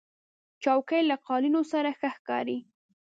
چوکۍ له قالینو سره ښه ښکاري.